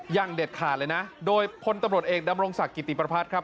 อย่างเด็ดขาดเลยนะโดยพลตำรวจเอกดำรงศักดิติประพัฒน์ครับ